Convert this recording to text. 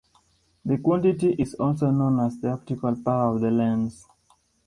The quantity is also known as the optical power of the lens.